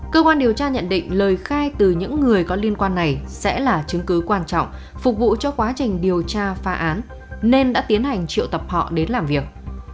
cơ quan điều tra nhận định lời khai từ những người có liên quan này sẽ là chứng cứ quan trọng phục vụ cho quá trình điều tra phá án nên đã tiến hành triệu tập họ đến làm việc